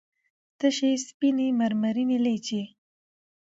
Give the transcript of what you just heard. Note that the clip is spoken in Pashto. تشې سپينې مرمرينې لېچې